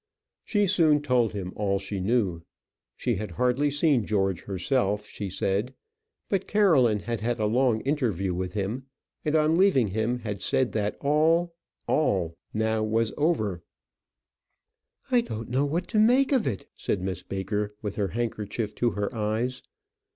She soon told him all she knew. She had hardly seen George herself, she said. But Caroline had had a long interview with him, and on leaving him had said that all all now was over. "I don't know what to make of it," said Miss Baker, with her handkerchief to her eyes.